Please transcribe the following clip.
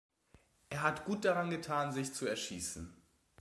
Er hat gut daran getan, sich zu erschießen.